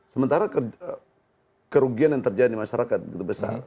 sementara kerugian yang terjadi di masyarakat begitu besar